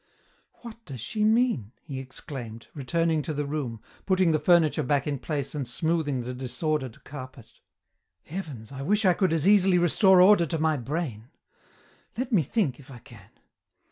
"What does she mean?" he exclaimed, returning to the room, putting the furniture back in place and smoothing the disordered carpet. "Heavens, I wish I could as easily restore order to my brain. Let me think, if I can.